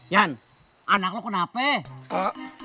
yan anak lo kenapa